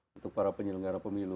untuk para penyelenggara pemilu